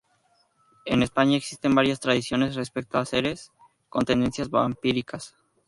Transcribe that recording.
En España existen varias tradiciones respecto a seres con tendencias vampíricas.